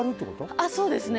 あっそうですね。